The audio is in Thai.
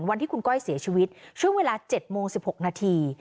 วันที่คุณก้อยเสียชีวิตช่วงเวลา๗โมง๑๖นาที